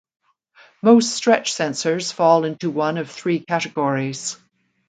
Most stretch sensors fall into one of three categories.